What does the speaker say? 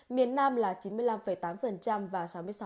miền nam là chín mươi năm tám và sáu mươi sáu